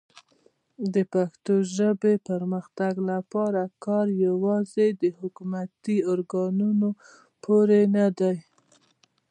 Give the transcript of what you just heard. د پښتو ژبې پرمختګ لپاره کار یوازې د حکومتي ارګانونو پورې نه دی.